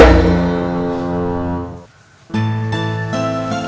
mungkin dia tau kenapa